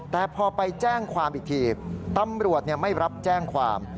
แต่พอไปแจ้งความอีกทีตำรวจไม่รับแจ้งความ